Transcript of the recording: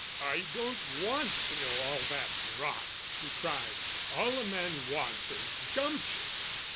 "I don't want to know all that rot," he cried. "All a man wants is gumption.